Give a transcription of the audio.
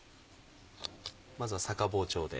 まずは逆包丁で。